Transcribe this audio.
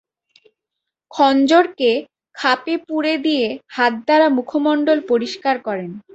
খঞ্জরকে খাপে পুরে দিয়ে হাত দ্বারা মুখমণ্ডল পরিষ্কার করেন।